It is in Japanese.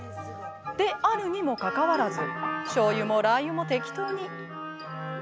であるにもかかわらずしょうゆもラーユも適当に。